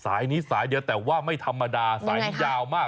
สายนี้สายเดียวแต่ว่าไม่ธรรมดาสายนี้ยาวมาก